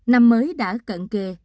năm mới đã cận kề